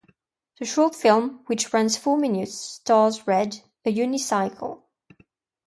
The short film, which runs four minutes, stars Red, a unicycle.